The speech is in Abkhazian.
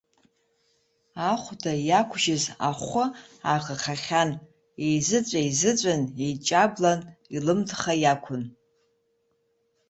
Ахәда иақәжьыз ахәы аӷахахьан, еизыҵәаеизыҵәан, еидҷаблан, илымтха иақәын.